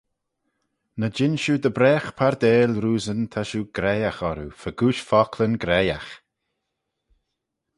Ny jean shiu dy bragh pardaill roosyn ta shiu graihagh orroo fegooish focklyn graihagh.